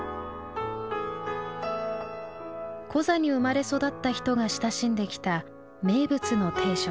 コザに生まれ育った人が親しんできた名物の定食